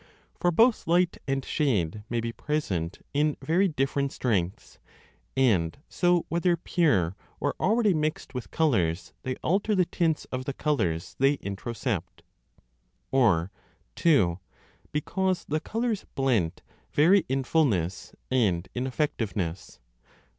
1 For both light and shade may be present in very different strengths, and so whether pure or already mixed with colours they alter 5 the tints of the colours they introcept. Or (2) because the colours blent vary in fullness and in effectiveness.